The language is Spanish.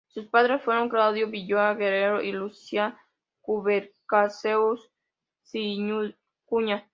Sus padres fueron Claudio Vicuña Guerrero y "Lucía Subercaseaux Vicuña".